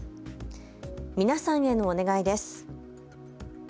皆さんへのお願いです。